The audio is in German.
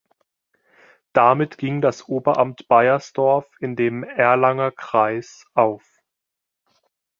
Damit ging das Oberamt Baiersdorf in dem "Erlanger Kreis" auf.